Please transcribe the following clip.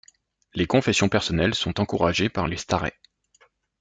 Les confessions personnelles sont encouragées par les starets.